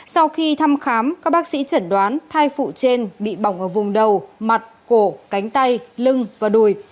sau khi thăm khám các bác sĩ chẩn đoán thai phụ trên bị bỏng ở vùng đầu mặt cổ cánh tay lưng và đùi